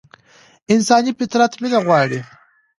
انساني فطرت مينه غواړي.